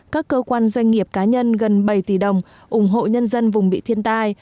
các cơ quan doanh nghiệp cá nhân gần bảy tỷ đồng ủng hộ nhân dân vùng bị thiên tai